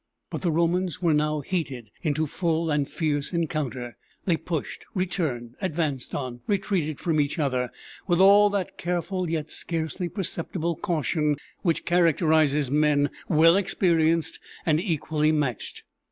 But the Romans were now heated into full and fierce encounter: they pushed returned advanced on retreated from each other, with all that careful yet scarcely perceptible caution which characterizes men well experienced and equally matched.